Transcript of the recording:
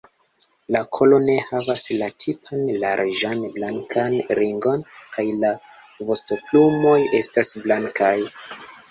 La kolo ne havas la tipan larĝan blankan ringon, kaj la vostoplumoj estas blankaj.